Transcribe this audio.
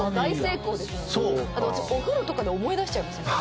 だってお風呂とかで思い出しちゃいますもん。